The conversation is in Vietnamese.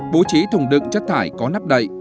bố trí thùng đựng chất thải có nắp đậy